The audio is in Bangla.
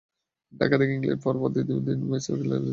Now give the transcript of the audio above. ঢাকা থেকে ইংল্যান্ডে গিয়ে পরপর দুই দিন দুটি ম্যাচ খেলেছেন মুস্তাফিজ।